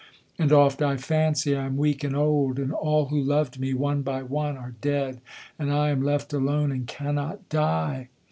And oft I fancy, I am weak and old, And all who loved me, one by one, are dead, And I am left alone and cannot die!